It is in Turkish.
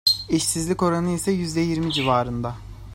İşsizlik oranı ise civarında.